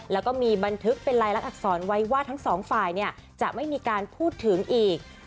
แล้วก็มีบันทึกเป็นลายลักษรไว้ว่าทั้งสองฝ่ายจะไม่มีการพูดถึงอีก